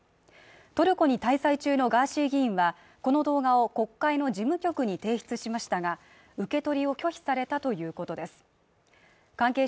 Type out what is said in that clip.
トルコに滞在中のガーシー議員はこの動画を国会の事務局に提出しましたが、受け取りを拒否されたということです。